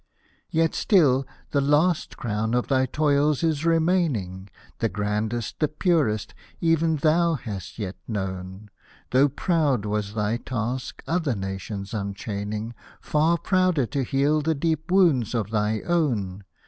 " Yet still the last crown of thy toils is remaining, The grandest, the purest, ev'n thou hast yet known : Though proud was thy task, other nations unchain ing, Far prouder to heal the deep wounds of thy own.